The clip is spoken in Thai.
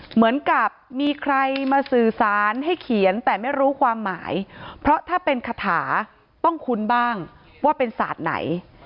เหมือนกับมีใครมาสื่อสารให้เขียนแต่ไม่รู้ความหมายเพราะถ้าเป็นคาถาต้องคุ้นบ้างว่าเป็นศาสตร์ไหน